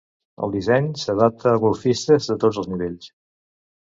El disseny s'adapta a golfistes de tots els nivells.